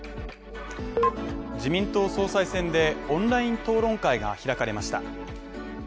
自民党総裁選で、オンライン討論会が開かれました。